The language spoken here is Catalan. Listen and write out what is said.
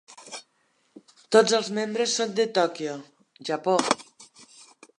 Tots els membres són de Tòquio, Japó.